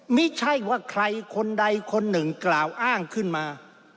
ไม่ใช่ว่าใครคนใดคนหนึ่งกล่าวอ้างขึ้นมา